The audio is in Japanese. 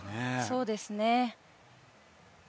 そうですね。